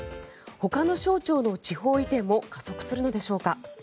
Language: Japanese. ほかの省庁の地方移転も加速するのでしょうか。